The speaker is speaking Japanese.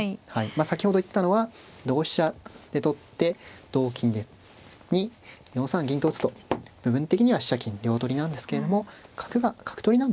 先ほど言ったのは同飛車で取って同金に４三銀と打つと部分的には飛車金両取りなんですけれども角が角取りなんですよね。